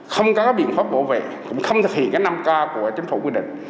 không có biện pháp bảo vệ cũng không thực hiện cái năm k của chính phủ quy định